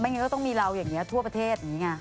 ไม่งั้นก็ต้องมีเราอย่างนี้ทั่วประเทศ